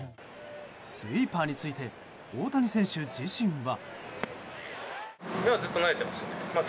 スイーパーについて大谷選手自身は。